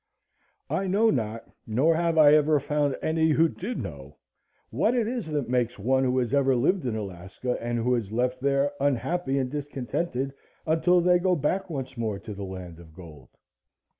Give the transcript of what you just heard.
I know not, nor have I ever found any who did know, what it is that makes one who has ever lived in Alaska, and who has left there, unhappy and discontented until they go back once more to the land of gold.